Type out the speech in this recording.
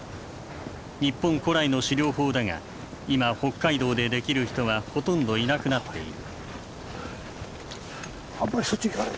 日本古来の狩猟法だが今北海道でできる人はほとんどいなくなっている。